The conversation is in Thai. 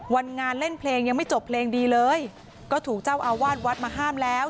งานเล่นเพลงยังไม่จบเพลงดีเลยก็ถูกเจ้าอาวาสวัดมาห้ามแล้ว